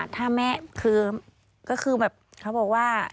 ถ้าแม่คือก็คือแบบเขาบอกว่า